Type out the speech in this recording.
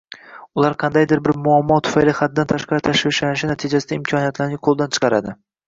Ular qandaydir bir muamo tufayli haddan tashqari tashvishlanishi natijasida imkoniyatlarni qo‘ldan chiqaradi